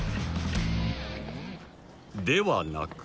［ではなく］